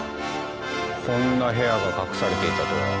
こんな部屋が隠されていたとは。